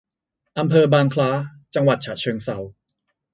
อำเภอบางคล้า จังหวัดฉะเชิงเทรา